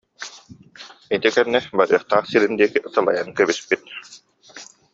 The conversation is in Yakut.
Ити кэннэ барыахтаах сирин диэки салайан кэбиспит